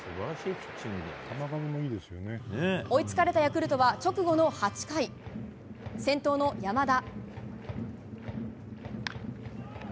追いつかれたヤクルトは直後の８回、先頭の山田。